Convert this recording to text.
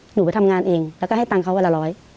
หนูไปทำงานเองแล้วก็ให้ตังค์เขาวันละร้อย